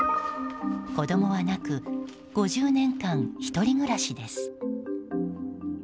子供はなく５０年間、１人暮らしです。